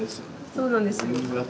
そうなんですよ。